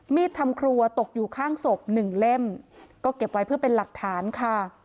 ทำครัวตกอยู่ข้างศพหนึ่งเล่มก็เก็บไว้เพื่อเป็นหลักฐานค่ะ